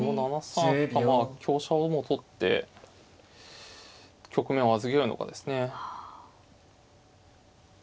７三かまあ香車をもう取って局面を預けるのかですね。